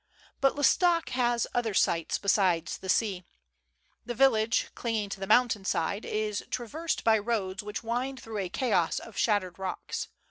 But L'Estaque has other sights besides the sea. The village, clinging to the mountain side, is traversed by roads which wind through a chaos of shattered rocks.